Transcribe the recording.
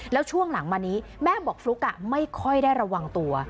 แล้วช่วงหลังมานี้แม่บอกฟลุ๊กไม่ค่อยได้ระวังตัว